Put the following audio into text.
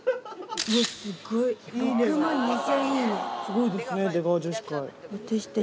スゴいですね「出川女子会」。